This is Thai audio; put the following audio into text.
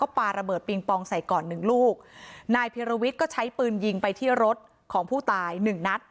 ก็ปาระเบิดปิงปองใส่ก่อน๑ลูกนายพีรวิชก็ใช้ปืนยิงไปที่รถของผู้ตาย๑นัท